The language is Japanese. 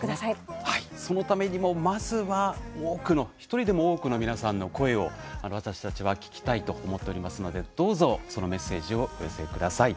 そのためにも、まずは１人でも多くの皆さんの声を私たちは聴きたいと思っておりますのでどうぞそのメッセージをお寄せください。